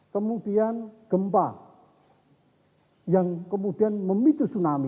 kemudian gempa yang kemudian memicu tsunami